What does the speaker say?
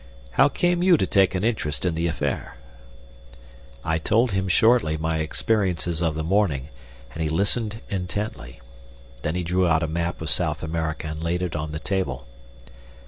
How came you to take an interest in the affair?" I told him shortly my experiences of the morning, and he listened intently. Then he drew out a map of South America and laid it on the table.